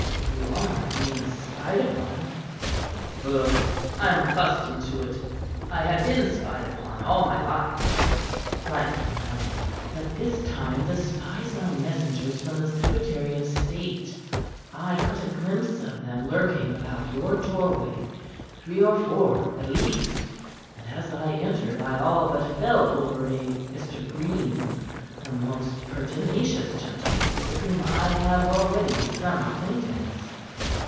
"You are being spied upon." "Pho! I am accustomed to it. I have been spied upon all my life." "Like enough. But this time the spies are messengers from the secretary of state. I caught a glimpse of them lurking about your doorway three or four at least and as I entered I all but fell over a Mr. Green a most pertinacious gentleman with whom I have already some acquaintance.